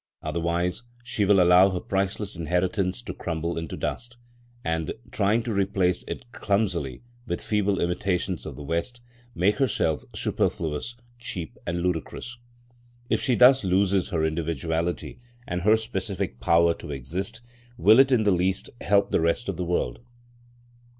Otherwise, she will allow her priceless inheritance to crumble into dust, and, trying to replace it clumsily with feeble imitations of the West, make herself superfluous, cheap and ludicrous. If she thus loses her individuality and her specific power to exist, will it in the least help the rest of the world?